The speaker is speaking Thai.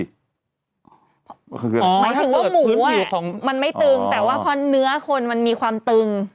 หมายถึงว่าหมูมันไม่ตึงแต่ว่าพอเนื้อคนมันมีความตึง